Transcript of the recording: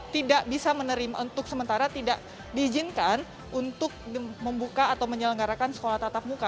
tidak bisa menerima untuk sementara tidak diizinkan untuk membuka atau menyelenggarakan sekolah tatap muka